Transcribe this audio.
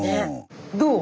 どう？